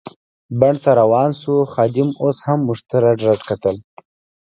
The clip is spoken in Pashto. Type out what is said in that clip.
بڼ ته روان شوو، خادم اوس هم موږ ته رډ رډ کتل.